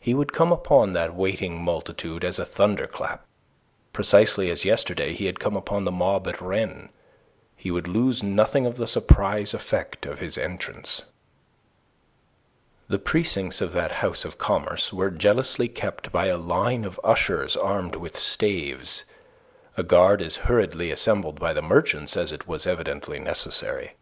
He would come upon that waiting multitude as a thunderclap, precisely as yesterday he had come upon the mob at Rennes. He would lose nothing of the surprise effect of his entrance. The precincts of that house of commerce were jealously kept by a line of ushers armed with staves, a guard as hurriedly assembled by the merchants as it was evidently necessary.